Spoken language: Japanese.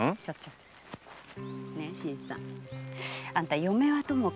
ちょっと。